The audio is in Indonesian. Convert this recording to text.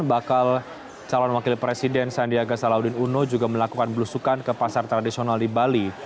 bakal calon wakil presiden sandiaga salahuddin uno juga melakukan belusukan ke pasar tradisional di bali